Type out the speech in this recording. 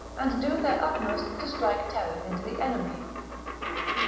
c. and do their utmost to strike terror into the enemy.